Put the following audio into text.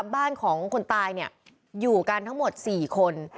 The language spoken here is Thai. บ้านของคนตายเนี่ยอยู่กันทั้งหมดสี่คน